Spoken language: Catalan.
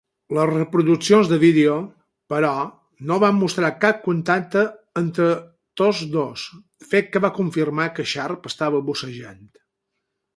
Les reproduccions de vídeo, però, no van mostrar cap contacte entre tots dos, fet que va confirmar que Sharp estava bussejant.